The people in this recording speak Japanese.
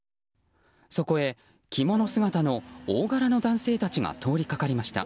そこへ、着物姿の大柄の男性たちが通りかかりました。